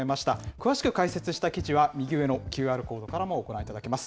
詳しく解説した記事は、右上のＱＲコードからもご覧いただけます。